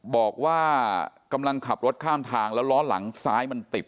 บอกว่ากำลังขับรถข้ามทางแล้วล้อหลังซ้ายมันติด